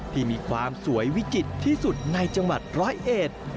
ที่มีความสวยวิจิตรที่สุดในจังหวัดร้อยเอ็ด